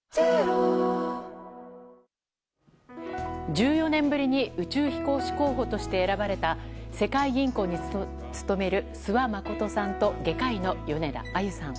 １４年ぶりに宇宙飛行士候補として選ばれた世界銀行に勤める諏訪理さんと外科医の米田あゆさん。